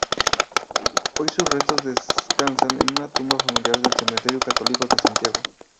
Hoy sus restos descansan en una tumba familiar del Cementerio Católico de Santiago.